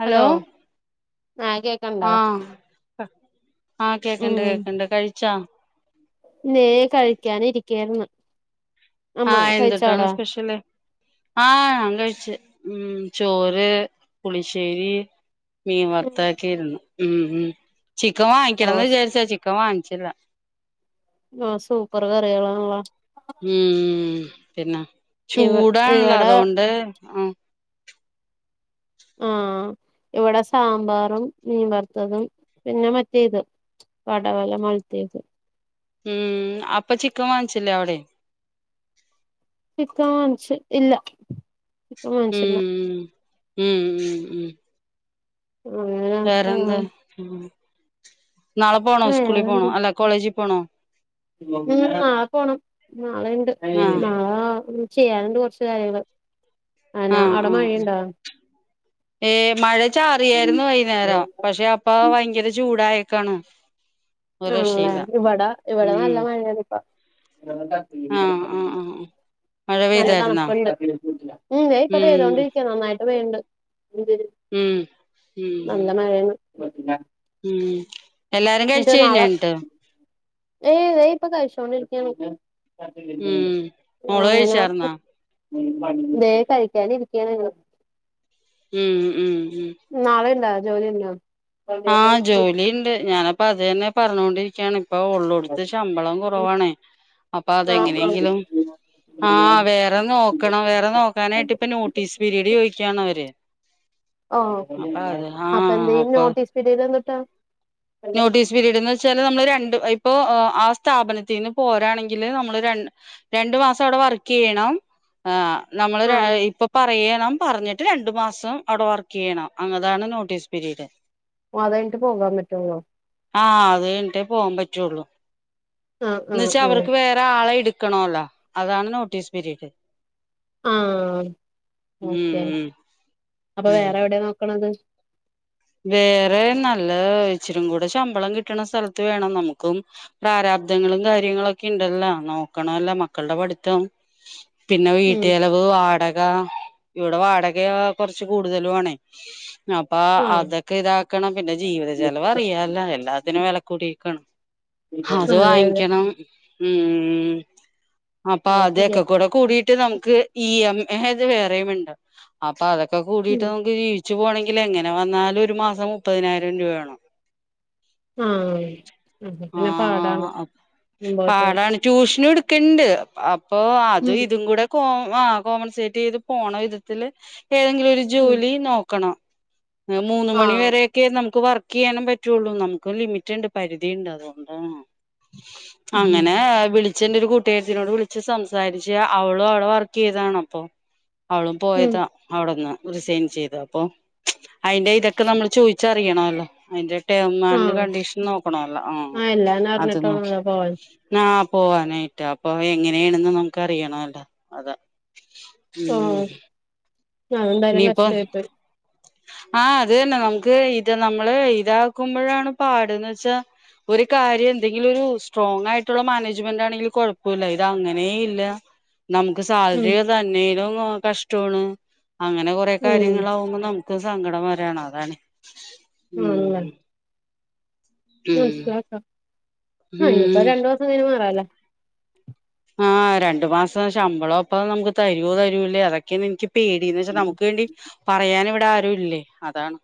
Hello. ആ, കേക്ക്ണ്ടോ ആഹ കേക്കണ്ട് കേക്കണ്ട് കഴിച്ചാ. നേ കഴിക്കാനിരിക്കായ്രുന്ന്. ആഹ് എന്തുട്ടാണ് സ്പെഷ്യല് ആഹ് ഞാൻ കഴിച്ച് ഉം ചോറ്, പുളിശ്ശേരി, മീൻ ഓ വർത്താക്കിയിരുന്നു. ഉം ഉം ചിക്കം വാങ്ങിക്കണംന്ന് ഓ വിചാരിച്ചാ ചിക്കൻ വാങ്ങിച്ചില്ല. ആഹ് സൂപ്പർ കറികളാണലോ ഉം പിന്നെ ഇവ ചൂടാണല്ലോ ഇവിടെ അതോണ്ട് ആ ആഹ് ഇവിടെ സാമ്പാറും മീൻ വറുത്തതും പിന്നെ മറ്റേ ഇത് പാടവല മലത്തിഏത് ഉം അപ്പ ചിക്കൻ വാങ്ങിച്ചില്ലേ, അവിടെ [unintelligible] ഇല്ല ചിക്കൻ വാങ്ങിച്ചില്ല ഉം ഉം ഉം ഉം. അങ്ങനെ ആ വേറെന്താ നാളെ പോണോ സ്കൂളിൽ പോണോ അല്ല കോളേജിൽ പോണോ ഉം നാളെ പോണം നാളെ ണ്ട് ആഹ് നാളെ ചെയ്യാറുണ്ട്. കുറച്ചു കാര്യങ്ങള് ആനാ ആഹ് അട ആഹ് മഴണ്ടാ ഏ മഴ ചാറിയായിരുന്നു. വൈകുന്നേരം പക്ഷെ അപ്പ വയങ്കര ചൂടായേക്കാണ് ഒരു ആ രക്ഷയില്ല ഇവിടാ ഇവിടെന്ന ഉം നല്ല മഴേണിപ്പൊ ആഹ് ആഹ് [unintelligible] ആഹ് മഴ നല്ല പെയ്തായിരുന്നോ തണുപ്പുണ്ട് ഉം ഇപ്പൊ ഉം പെയ്തോണ്ടിരിക്ക നന്നായിട്ട് പെയ്യണ്ട ഉം ഉം നല്ല മഴാണ്. ഉം എല്ലാരും കഴിച്ചു നാളെ കഴിഞ്ഞോ ഏയ് ദേ പ്പൊകഴിച്ചോണ്ടിരിക്കാണ് ഉം മോള് കഴിച്ചർന്നാ. വേ കഴിക്കാന ഇരിക്കാണ് ഉം ഉം ഉം. നാളെ ഇണ്ട ജോലി ഇണ്ട ആ ജോലിണ്ട് ഞാനപ്പ അത് തന്നെ പറഞ്ഞൊണ്ടിരിക്കയാണ്. ഇപ്പൊ ഉള്ളൊടുത്ത് ശമ്പളം കുറവാണ് അപ്പൊ അതെങ്ങനെയെങ്കിലും ആഹ വേറെ നോക്കണം വേറെ നോക്കാനായിട്ട് ഇപ്പ നോട്ടീസ് പിരീഡ് ചോദിക്കാണവര് ഓ അപ്പൊ ആഹ് അപ്പൊ എന്ത്യുംനോട്ടീസ് പിരീഡ് എന്തുട്ടാ നോട്ടീസ് പിരീഡ് എന്ന് വെച്ചാല് നമ്മള് രണ്ട് ഇപ്പോ ആ സ്ഥാപനത്തിൽന്ന് പോരാണെങ്കിൽ നമ്മള് ര രണ്ടു മാസം അവിടെ വർക്ക്യ്യണം ആ നമ്മള് ആഹ് ഇപ്പൊ പറയ പറഞ്ഞിട്ട് രണ്ടു മാസം അവിടെ വർക്ക് ചെയ്യണം അങ്ങതാണ് നോട്ടീസ് പീരീഡ്. ഓ അതട്ട് പോകാൻ പറ്റുള്ളൂ. ആഹ് അത് കഴിഞ്ഞിട്ടേ പോകാൻ പറ്റുള്ളു ആഹ് എന്ന ആഹ് വച്ചാ ആഹ് അവർക്ക് വേറെ ആളെ എ ക്കണല്ലോ അതാണ് നോട്ടീസ് പിരീഡ്. ആഹ ഓക്കെ ഉം അപ്പൊ ഉം വേറെ എവിടെയാ നോക്കണത്. വേറെ നല്ല ഇച്ചരും കൂടെ ശമ്പളം കിട്ടണ സ്ഥലത്ത് വേണം നമുക്കും പ്രാര ശബ്ദങ്ങളും കാര്യങ്ങളൊക്കെ ണ്ടല്ലോ നോക്കണല്ലോ മക്കളുടെ പഠിത്തം പിന്നെ ഉം വീട്ട്ലവ് വാട ഇടെ വാടക കുറച്ച് കൂടുതലും ആണേ ആഹ് അതൊക്കെ ഇതാക്കണം പിന്നെ ജീവിത ചെലവ്‌ അറിയാല്ല എല്ലാത്തിനും വെല കൂടിരിക്കാണ് അത് അതെ അതെ വാങ്ങിക്കണം ഉം അപ്പൊ അത് ശരിയാ അതൊക്കെ കൂടെ കൂടി നമുക്ക് ഇ എംത് [unintelligible] വേറെയുണ്ട് അപ്പൊ അതൊക്കെ കൂടിട്ട് ഉം നമുക്ക് ജീവിച്ച റ്റു പോണങ്കിൽ എങ്ങനെ വന്നാലും ഒരു മാസം മുപ്പതിനായിരം രൂപവേണം ആഹ് അപ്പൊ പിന്നെ പാടാണ് ആ മുമ്പോട്ട് പാടാണ് ട്യൂഷൻ എടുക്ക് ക്കണ്ട് അപ്പൊ അതു ഉം ഇതും കൂടെ കോ ആ കോമ്പൻസേറ്റ് പോണ വിധത്തില്ല് ഏതെങ്കിലും ഒരു ഉം ജോലി നോക്കണം മൂന്ന് ആഹ് മണിവരെയൊക്കെ നമു ക്ക് വർക്ക് ചെയ്യാനും പറ്റുള്ളൂ നമുക്ക് ലിമിറ്റ് ണ്ട് പരിധിണ്ട് അതുണ്ടാണ് ഉം അങ്ങനെ വിളി അച്ഛന്റെറെ ഒരു കൂട്ടുകാര്ത്തിനോട് വിളിച്ച് സംസാരിച്ച് അവളും അവിടെ വർക്ക് ചെയ്താണ് അപ്പൊ അവളും ഉം പോയതാ അവിടെന്ന് റിസൈൻ ചെയ്ത അപ്പോ അയിന്റെ ഇതൊക്കെ നമ്മൾ ചോദിച്ചാ യ്യണല്ലോ അതി മ്മാന്റെ ആഹ് കണ്ടീഷൻ നോക്കണല്ലോ ആ ആഹ് എല്ലാരും അത് അറിഞ്ഞിട്ട് നോക്കി വേണല്ലോ പോവാൻ നാ പോവാനായിട്ടാ അപ്പൊ എങ്ങനെയാണെന്ന് നമുക്ക്റിയണല്ലോ അതാ. ഓഹ് ഉം അതെന്തായാലും കഷ്ടമായിട്ട [inaudible] ആ ത് തന്നെ നമുക്ക് ഇത് നമ്മള് ഇതാക്കുമ്പോഴാണ് പാടന്ന് വെച്ചാ ഒരു കാര്യം എന്തെങ്കിലും ഒരു സ്ട്രോങ് ആയിട്ടുള്ള മാനേജ്മെന്റ് ണെങ്കിൽ കുഴപ്പില്ല ഇത് അങ്ങനേ ഇല്ല നമുക്ക് ഉം സാലറി തന്നേലും കഷ്ടമാണ് അങ്ങനെ കൊറെേ ഉം കാര്യങ്ങളാവുമ്പോൾ നമു സങ്കടം വരാണ് അതാണ് ഉം ഉം മനസിലാക്ക ആ ഇനിപ്പോ ഉം രണ്ടുസം കഴിഞ്ഞ മാറാല്ല ആ രണ്ടു മാസ ശമ്പളം ഒപ്പോ നമുക്ക് തരുൂ തരൂലേ അതൊക്കെയന്ന് എനിക്ക് പേടിന്ന് വെച്ചാ നമുക്ക് വേണ്ടി പറയാൻ ഇവിട ആരു ല്ല്യെ അതാണ്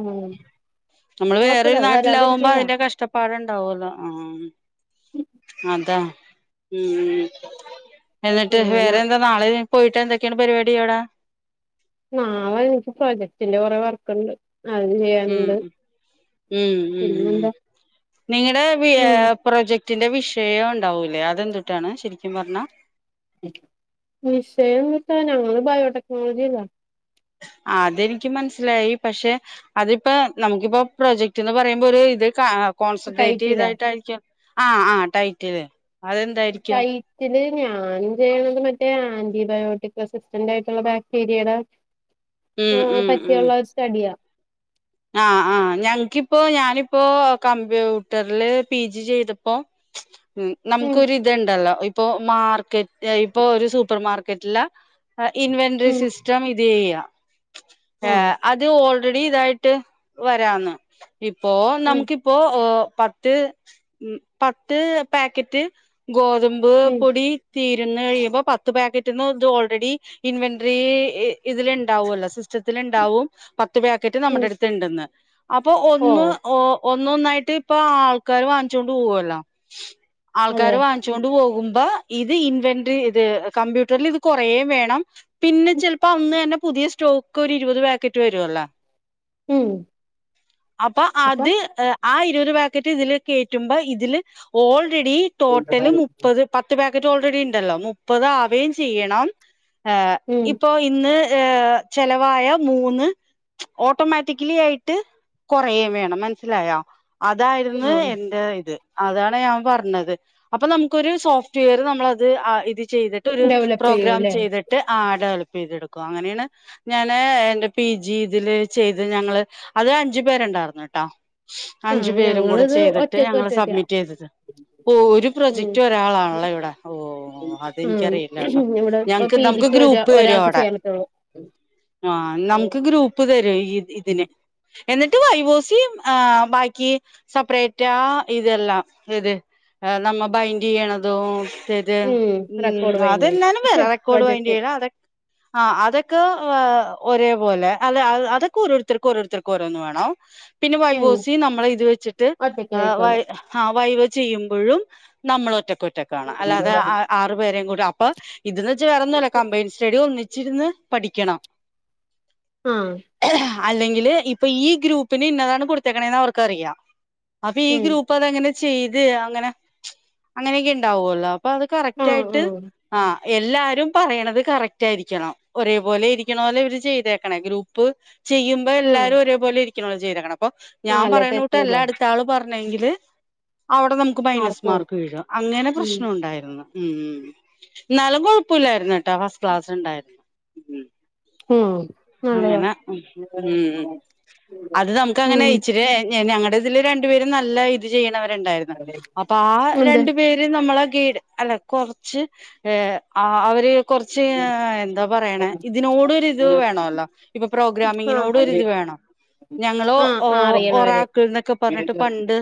ഉം നമ്മള് കൊഴപ്പല്ല വേറൊരു അത് നാട്ടിലാവുമ്പോ വരാതിരിക്കൂല അതിന്റെ കഷ്ടപ്പാടുണ്ട് ലവൂല ആ അതാ ഉ എന്നിട്ട് ഞാനാ വേറെ എന്താ നാളെ പോയിട്ട് എന്തൊക്കെയാണ് പരിപാടി അവിടെ നാളെ എക്ക് പ്രൊജക്ടിന്റെ കൊറെ വർക്ക്ണ്ട് അത് ഉം ചെയ്യാനുണ്ട് ഉ ഉ ഉ ഉ പിന്നെന്താ നിങ്ങളടെ വി ഏ ഉം പ്രൊജ കുറ്റിന്റെ വിഷയം ഉണ്ടാവൂലേ അതെന്തിട്ടാണു ശരിക്കും പറഞ്ഞാ വിഷയതുട്ടാ ഞങ്ങള് ബയോടെക്നോളജില്ലാ [inaudible] അതെനിക്ക് മനസ്സിലായി പക്ഷെ അതിപ്പോ നമുക്കിപ്പോ പ്രൊജക്ട് എന്ന് പറയുമ്പോ ഒരു ഇത് ക കോൺസെൻട്രേറ്റ് ടൈറ്റിലാ ചെയ്തായിട്ടായിരിക്കും ആ ആ ടൈറ്റ്ല്ല് ചൈറ്റല്ല് ഞാൻ ചെയ്യണത് മറ്റേ ആന്റിബയോട്ടിക് അസിസ്റ്റന്റ് ആയിട്ടുള്ള ബാക്ടീരിയുടെ ഉം ആ പറ്റിള്ള സ്റ്റഡിയാ. അ ആ ഞങ്ങക്കിപ്പോ ഞാനിപ്പോ കമ്പ്യൂട്ടറില് പി ജി ചെയ്തപ്പോ ഉം നമുക്കിര്ത്ണ്ടല്ലോ ഇപ്പൊ മാർക്കറ്റ് ഇപ്പൊ ഒരു സൂപ്പർ മാർക്കറ്റില അ ഇൻവെൻററി ഉം സിസ്റ്റം ഇത് ചെയ്യാം ഓ ഏ അത് ഓൾറെഡി ഇതായി ട്ട് വരാന്ന് ഇപ്പോ ഉം നമുക്കിപ്പോ ഓ പത്ത് ഉം പത്ത് പാക്കറ്റ് ഗോതമ്പ് ഉം പൊടി തീരുന്ന് കഴിയുമ്പോ പത്ത് പാക്കറ്റന്ന് ഇത് ഓൾറെഡി ഇൻവെൻററി ഇതിൽ ഉണ്ടാവല്ലോ സിസ് ച്ചത്തിൽ ണ്ടാവും പത്ത് പാക്കറ്റ് ഉം നമ്മുടെ അടുത്ത്ണ്ടെന്ന് അപ്പൊ ഓ ഒന്ന് ഒ ഒന്നന്നായിട്ട് ഇപ്പൊ ആൾക്കാര് വാങ്ങിച്ചോണ്ട് പോകുവല്ലോ അതെ ആൾക്കാര് വാങ്ങിച്ചോണ്ട് പോകു അ ഇത് ഇൻവെന്ററി ഇത് കമ്പ്യൂട്ടറിൽ ഇത് കൊറേ വേണം പിന്നെ ചെലപ്പോ അന്ന്‌ന്നെ പു പുതിയ സ്റ്റോക്ക് ഒരു ഇരു [unintelligible] ഉം അപ്പൊ അത് ഏഹ് ആ ഇരുപത് പാക്കറ്റ് ഇതില് കയറ്റുമ്പോ ഇതില് ഓൾറെഡി ടോട്ടല് മുപ്പത് പത്ത് പ ക്കറ്റ് ഓൾറെഡി ഉണ്ടല്ലോ മുപ്പത് ആവേം ചെയ്യണം ഏഹ് ഉം ഇപ്പൊ ഇന്ന് ഏഹ് ചെലവായ മൂന്ന് ഓട്ടോമാറ്റ റ്റിക്കലി ആയിട്ട് കുറയേം വേണം മനസ്സിലായോ ആ അതായിരുന്നു എന്റെ ഇത് അതാണ് ഞാൻ പറഞ്ഞത് അപ്പൊ നമുക്കൊരു സോഫ്റ്റ്‌വെയർ നമ്മളത് ആഹ് ഇത് ചെയ്തിട്ട് ഒരു ഡെവലപ്പ് പ്രോഗ്രാം ചെയ്യൂല്ലേ ചെയ്തിട്ട് ആഡ് ചെയ്തെടുക്കുക അങ്ങനെയാണ് ഞാന് എന്റെ പി ജി ഇതില് ചെയ് ത് ഞങ്ങള് അത് അഞ്ചു പേരുണ്ടായിർന്ന് കേട്ടോ- ആ അഞ്ചു പേരും കൂടെ ഞങ്ങളിത് ചെയ്തിട്ട് ഒറ്റക്ക് ഞങ്ങള് ഒറ്റക്ക സബ്മിറ്റ് ചെയ്തത്- ഓഹ് ഒരു ഉം പ്രൊജക്ട് ഒരാളാണല്ലോ ഇവിടെ ഓഹ്- ഓഹ് ഉം അതെനിക്കറിയില്ല ട്ടോ ഇവിടെ ഇപ്പൊ ഞങ്ങക്ക് പി നമുക്ക് ജിക്ക് ഒരാ ഗ്രൂപ്പ് തരും ഒരാൾക്ക് അവിടെ- ചെയ്യാൻ പറ്റുള്ളൂ ആഹ് നമുക്ക് ഗ്രൂപ്പ് തരും ഈ ഇതിന്- എന്നിട്ട് വൈവോസിയും ആഹ് ബാക്കി സപ്പറേറ്റാ ഇതെല്ലാം ഏത്- ആഹ് നമ്മ ബൈൻഡ് ചെയ്യണതും- റ്റേത് ഉം റെക്കോർഡ് പറയുന്നത് അതെല്ലാം വേറ പക്ഷെ റെക്കോർഡ് വൈന്റ് പ്രോജക്റ്റ് ചെയ്യണ അതെ ആഹ് അതൊ ക്കെ ഒരേ പോലെ അല്ല അതൊക്കെ ഓരോരുത്തർക്കും ഓരോരുത്തർക്കും ഓരോന്ന് വേണം- പിന്നെ ഉം വൈവോസി നമ്മളെ ഇത് വെച്ചിട്ട് ഒറ്റക്കെ ഏഹ് വൈ ആയിട്ടുള്ളൂ ആഹ് വൈ വെ ചെയ്യുമ്പഴും നമ്മള് ഒറ്റക്കൊ റ്റക്കാണ് അല്ലാതെ ആറുപേരേം കൂടെ അപ്പോ ഇതന്ന് വെച്ച വേറൊന്നുവല്ല കമ്പയിൻ സ്റ്റഡി ഒന്നി ച്ചിരുന്ന് പഠിക്കണം- ആഹ് അല്ലെങ്കിൽ ഇപ്പൊ ഈ ഗ്രൂപ്പിന് ഇന്നതാണ് കൊടുത്തേക്കണെന്ന് അവർക്കറിയാം അപ്പൊ ഈ ഉം ഗ്രൂപ്പ് അതങ്ങനെ- ചെയ്ത് അങ്ങനെ അങ്ങനെയൊക്കെ ഇണ്ടാവല്ലോ അപ്പൊ അത് ആ കറക്റ്റ് ആയിട്ട് ആ ആഹ് എല്ലാരും പറയണത് കറക്റ്റ് ആയിരിക്കണം ഒരേപോലെ ഇരിക്കണോലെ ഇവര് ചെയ്തേക്കണേ ഗ്രൂപ്പ്- ചെയ്യുമ്പോ ആ എല്ലാരും ഒരേപോലെ ഇരിക്കണ ചെയ്തക്കണം അപ്പൊ ആ ഞാൻ അല്ലെ പറയണ കൂട്ട് അല്ല തെറ്റൂല അടുത്ത ആളു പറ ഞ്ഞെങ്കില് അവിടെ നമുക്ക് മൈനസ് ആർക്കും മാർക്ക് വീഴും അങ്ങനെ ഉം പ്രശ്നം ഉണ്ടായിരുന്നു ഉം എന്നാലും കൊഴപ്പോല്ലായിരുന്ന് കേട്ടോ ഫസ്റ്റ് ക്ലാസ് ഉണ്ടായിരുന്നു ഉം ഉം നല്ലതാ അങ്ങനെ ഉം അത് നമുക്ക് ഉം അങ്ങനെ ഇച്ചിരി ഞങ്ങളുടെ ഇതില് രണ്ടുപേരും നല്ല ഇത് ചെയ്യണവർ ണ്ടായിരുന്ന് അപ്പൊ ആഹ് എന്ത് രണ്ടു പേര് നമ്മളെ ഈട് അല്ല കുറച്ച് ഏഹ് ആഹ് ഒര് കൊറച്ച് എന്താ പറയണ ഇതിനോടൊരിത് വേണോല്ലോ ഇപ്പൊ ആ പ്രോഗ്രാമിങ്ങിനോട് ഒരു ഇത് വേണം ഞങ്ങള് ആ ഒ ആ അറിയണവര് ഒരാൾക്ക് എന്നൊക്കെ പറഞ്ഞിട്ട് പണ്ട്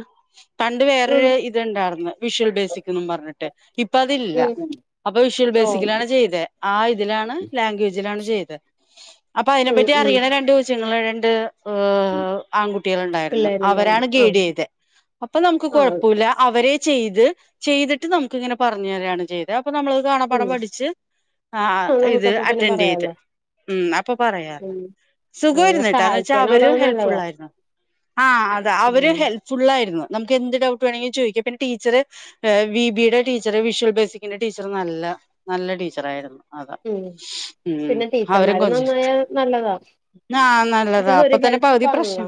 പണ്ട് ഉം വേറൊരു ഇത്ണ്ട- ർന്ന് വിഷൽ ബേസിക്കുന്നും പറഞ്ഞിട്ട് ഇപ്പ അതില്ല ഉം അപ്പൊ വിഷ്ൽ ഓ ബേസിക്കിലാണ് ചെയ്തെ ആഹ് ഇതിലാണ് ലാംഗ്വേജിലാണ് ചെയ്തെ അപ്പൊ ഉം അയിനെപ്പറ്റി ഉം അറിയണ രണ്ട് കൊച്ച്- നിങ്ങള് രണ്ട് ഏഹ്- ആൺകുട്ടികൾ ഉണ്ടായിരുന്നു പിള്ളേരുണ്ടാവുന്നു അവരാണ് ആ ഗൈഡ് ചെയ്തെ അപ്പൊ നമുക്ക് ആ കുഴോപ്പോല്ല അവരെ- ചെയ്ത് ചെയ്തിട്ട് നമുക്ക് ഇങ്ങനെ പറഞ്ഞു തരാണ് ചെയ്തെ അപ്പൊ നമ്മളത് ഉം കാണാപ്പാഠം പഠിച്ച്- ആഹ് ആ ഇത് നമുക്കപ്പ പിന്നെ അറ്റൻഡ് ചെയ്ത് പറയാലോ ഉം അപ്പൊ പറയാലോ ഉം അങ്ങനെ സുഖവായിരുന്ന് കേട്ടാ അവരും സഹായിക്കാനുള്ളത് ഹെല്പ് ഫുൾ നല്ലതാ ആയിരുന്നു ആഹ് അത അവരും ഉം ഹെല്പ് ഫുള്ള് - ആയിരുന്നു നമുക്ക് എന്ത് ഡൗട്ട് വേണെങ്കിലും ചോയിക്കാം പിന്നെ ടീച്ചർ വി ബിയുടെ ടീച്ചർറ് വിഷ്വൽ ബേസിക്കിന്റെ ടീച്ചറ് നല്ല നല്ല ടീച്ചറായിരുന്നു അതാ ഉം ഉം പിന്നെ അവരും ടീച്ചർമാര് കൊഞ്ച് നന്നായ നല്ലതാ ആഹ് ഇത് നല്ലതാ അപ്പ ഒരു തന്നെ പകുതി ഹെൽപ്പാണല്ലോ പ്രശ്നം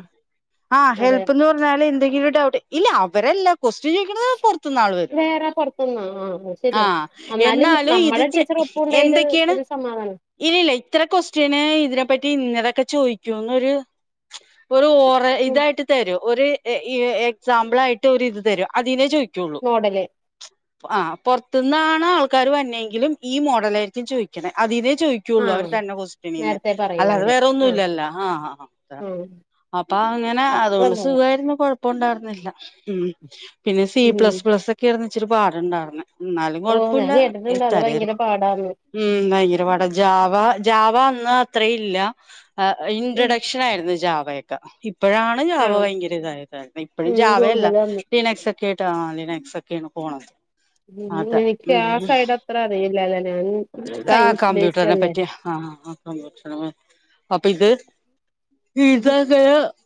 ആഹ് അതെ ഹെൽപ്പ്ന്ന് പറഞ്ഞാല് എന്തെങ്കിലും ഒരു ഡൗട്ട് ഇല്ല അവരല്ല- ക്വൊസ്റ്റ്യൻ ചോയിക്കണത് പുറത്ത്ന്ന് ആൾ വരും വേറെ പുറത്തുന്നാ ആ അത് ആഹ് എന്നാലും ഇത് ചെ ഇപ്പുണ്ടായത് ഒരു സമാധാനം ഇല്ല ഇല്ല ഇത്ര ക്വസ്റ്റിന് ഇതിനെപ്പറ്റി ഇന്നതൊക്കെ ചോദിക്കൂന്നോരു ഒരു ഓറ ഉം ഇതായിട്ട് തരും ഒരു എ ഇ എ എക്സാമ്പിളായിട്ട് ഒരു ഇത് തരും അതിനെ ചോയി മോഡല് ആഹ് പോറത്തുന്നാണ് ആൾക്കാര് വന്നെയെങ്കിലും ഈ മോഡലായിരിക്കും ചോദിക്കുന്നെ അതിന് ചോദിക്കുള്ളൂ അവര് ആഹ് തരണ ക്വസ്റ്റിനിന്ന് നേരത്തെ പറയും അല്ലാതെ അവര് വേറെ ആഹ് ഒന്നുല്ലല്ലൊ ആഹ് ആഹ് ആഹ് അപ്പൊ അങ്ങനെ അതുകൊണ്ട് നല്ലതാ സുഖായിരുന്നു കൊഴപ്പൊണ്ടാരുന്നില്ല ഉം പിന്നെ സി ഉം പ്ലസ് പ്ലസൊക്കെയാരുന്നു ഇച്ചരെ പാടുണ്ടാരുന്നെ എന്നാലും ഓഹ് ഞാൻ കുഴപ്പമില്ല കേട്ടിട്ടുണ്ട് അത് ഈ ഭയങ്കര പാടാന്ന് [unintelligible] ഉം ഭയങ്കരപാട ജാവ ജാവ ന്ന അത്രെയില്ല അ ഉം ഇൻട്രോഡക്ഷനായിരുന്നു ജാവയൊക്കെ ഇപ്പോഴാണ് ജാവ ആഹ് ഭയങ്കര ഇതായത് ഇപ്പോഴും ഉം ജാവയല്ല കൂടുതലാന്ന് ലിനക്സൊക്കെ ആയിട്ട [unintelligible] എക്സക്കെ അങ്ങ് പോണം ഉം അതെ എനിക്ക് ഉ ആ ഉം സൈഡ് അത്ര അറിയില്ലല്ലേ ഞാൻ താ സയൻസ് ബേസ്ഡ് കമ്പ്യൂട്ടറിനെ അല്ലേ പറ്റി അ അ അ കമ്പ്യൂട്ടറിനെപറ്റി അപ്പൊ ഇത് ഈതൊക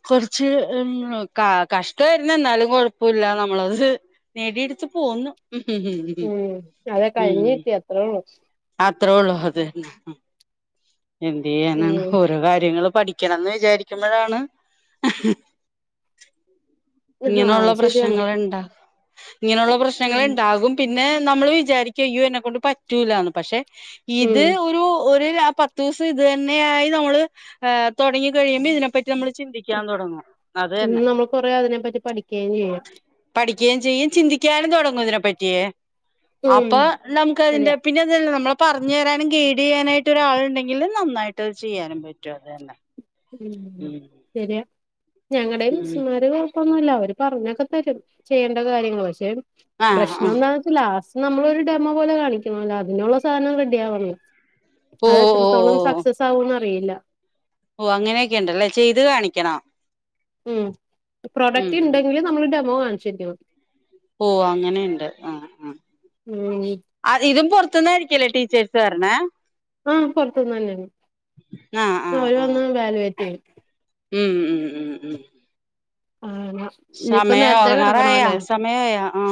കുറച്ച് ഹ് കഷ്ടരുന്നു എന്നാലും കൊഴപ്പമില്ല നമ്മളത് നേടിയടുത്ത്പോന്ന് ഉം ഉ ഉ ഉം അതെ ഉം കഴിഞ്ഞ് കിട്ടി അത്രേ ഉള്ളൂ ആത്ര ഉള്ളൂ അത് എന്ത് ഉം ചെയ്യാനാണ് ഓരോ കാര്യങ്ങളും പഠിക്കണംന്ന് വിചാരിക്കുമ്പോഴാണ് [unintelligible] ആഹ് ഇങ്ങനെയുള്ള അത് ശരിയാണ് പ്രശ്നങ്ങൾ ഇണ്ടാ ഇങ്ങനെയുള്ള പ്രശ്നങ്ങൾ ഉം ഉണ്ടാകും പിന്നെ നമ്മൾ വിചാരിക്കും ഇയ്യോ എന്നെക്കൊണ്ട് പറ്റൂലന്ന് പക്ഷെ ഇത് ഉം ഒരു ഒരു പത്ത് തീസം ഇത് തന്നെയായി നമ്മള് തുടങ്ങി കഴിയുമ്പോ ഇതിനെപ്പറ്റി റ്റി നമ്മൾ ചിന്തിക്കാൻ തുടങ്ങും അത് തന്നെ നമ്മൾ കൊറേ അതിനെപ്പറ്റി പഠിക്കുകയും ചെയ്യാം പടി ക്കെയും ചെയ്യും ചിന്തിക്കാന്നും തുടങ്ങും ഇതിനെപ്പറ്റിയേ ഉം അപ്പൊ നമുക്ക് അതിന്റെ ശരിയാ പിന്നെ എതല്ല നമ്മളെ പറഞ്ഞു തരാനും ഗൈഡ് ചെയ്യാനായിട്ട് ഒരാൾ ഉണ്ടെങ്ക എങ്കും നന്നായിട്ട്ത് ചെയ്യാനും പറ്റും അതന്നെ ഉ ശരിയാ ഞങ്ങളുടെയും ഉം സുമാര് പ്പന്നുല്ല അവര് പറഞ്ഞൊക്കെ തരും ചെയ്യേണ്ട കാര്യങ്ങൾ പക്ഷെ ആഹ് ആഹ് പ്രശ്നംന്നാച്ചാൽ ലാസ്റ്റ് നമ്മളൊ ഒരു ഡെമോ പോലെ കാണിക്കണല്ലോ അതിനുള്ളള്ള സാധനം റെഡിയ ആവണം ഓ അത് ഓ എത്രത്തോളം ഓ സക്സസ് ആകുംന്ന് അറിയില്ല ഓ അങ്ങനെയൊക്കെ ഉണ്ടല്ലേ ചെയ്ത് കാണിക്കണ ഉം പ്രൊഡക്റ്റ് ഉണ്ടെങ്കിൽ നമ്മള് ഡെമോ കാണിച്ചേരിക്കണം ഓ അങ്ങനെയുണ്ട് അ അ ഉം അ തിതും പുറത്ത് ത്ത്ന്നായിരിക്കല്ല ടീച്ചർസ് പറന്നെ അ പുറത്തുന്ന് തന്നെയാണ് ആ ആ അവ ആ വന്ന് വാലുവേറ്റ് ചെയ്യും ഉം ഉം ഉം ഉം ആഹ് ഇനിയിപ്പ സമയ നേരത്തെ കെടക്കണം ഉറങ്ങറയാ അല്ലേ സമയയാ ആ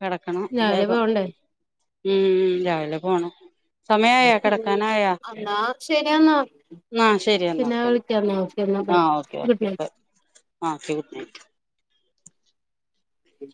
കിടക്കണം രാവിലെ വേഗം പോവണ്ടേ ഉം രാവിലെ പോണം സമയായ കിടക്കാനായാ എന്നാ ശരിയെന്നാ ന്ന ശരിയാന്ന പിന്നെ ഓക്കേ ന്ന വിളിക്കാന്നാ ഓക്കെ എന്നാ ആ bye okay good okay night bye ആ ഓക്കെ ഗുഡ് നൈറ്റ് ഉം